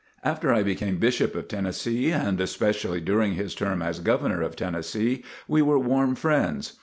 After I became Bishop of Tennessee and especially during his term as Governor of Tennessee, we were warm friends.